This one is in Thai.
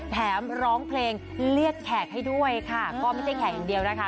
ร้องเพลงเรียกแขกให้ด้วยค่ะก็ไม่ใช่แขกอย่างเดียวนะคะ